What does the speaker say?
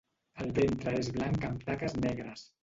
El ventre és blanc amb taques negres.